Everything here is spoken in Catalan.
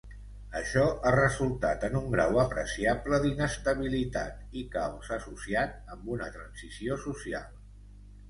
Això ha resultat en un grau apreciable d'inestabilitat i caos associat amb una transició social.